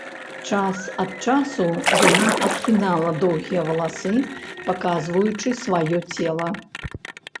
Час ад часу яна адхінала доўгія валасы, паказваючы сваё цела.